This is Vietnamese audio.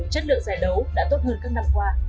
chất lượng giải đấu đã tốt hơn các năm qua